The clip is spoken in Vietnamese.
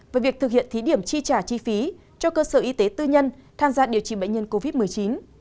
về việc thực hiện thí điểm chi trả chi phí cho cơ sở y tế tư nhân tham gia điều trị bệnh nhân covid một mươi chín